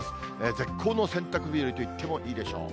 絶好の洗濯日和と言ってもいいでしょう。